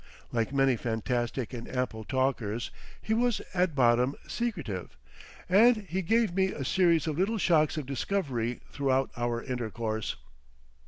Like many fantastic and ample talkers he was at bottom secretive, and he gave me a series of little shocks of discovery throughout our intercourse.